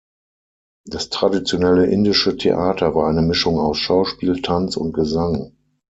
Das traditionelle indische Theater war eine Mischung aus Schauspiel, Tanz und Gesang.